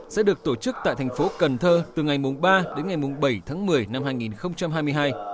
sẽ được tổ chức tại thành phố cần thơ từ ngày ba đến ngày bảy tháng một mươi năm hai nghìn hai mươi hai